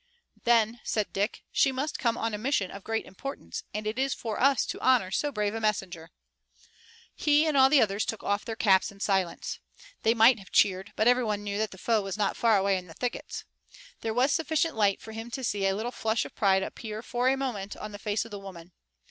"Then," said Dick, "she must come on a mission of great importance and it is for us to honor so brave a messenger." He and all the others took off their caps in silence. They might have cheered, but every one knew that the foe was not far away in the thickets. There was sufficient light for him to see a little flush of pride appear for a moment on the face of the woman.